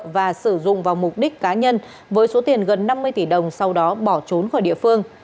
và sử dụng vào mục đích cá nhân với số tiền gần năm mươi tỷ đồng sau đó bỏ trốn khỏi địa phương